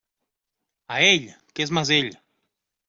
A ell, que és mesell!